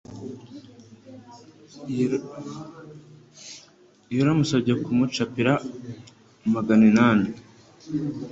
yari amusabye kumucapira maganinani.